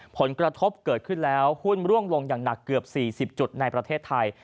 ผลกระทบเกิดขึ้นแล้วหุ้นร่วงลงอย่างหนักเกือบ๔๐จุดในประเทศไทย